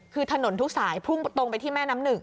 คือถนนทุกสายพุ่งตรงไปที่แม่น้ำหนึ่ง